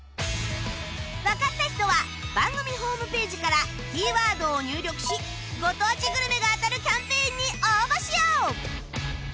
わかった人は番組ホームページからキーワードを入力しご当地グルメが当たるキャンペーンに応募しよう！